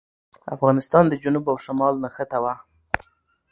افغانستان د جنوب او شمال نښته وه.